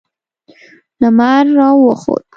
لمر را وخوت.